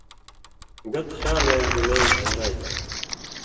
گت خیالوَیں دُنئ گھئین٘رائ تُھو۔